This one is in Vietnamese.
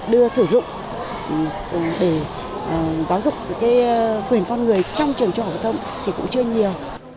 đưa sử dụng để giáo dục quyền con người trong trường trung học phổ thông thì cũng chưa nhiều